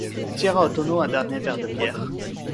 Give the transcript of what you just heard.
tira au tonneau un dernier verre de biere